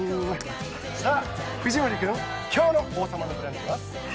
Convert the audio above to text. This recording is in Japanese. さあ、藤森君今日の「王様のブランチ」は？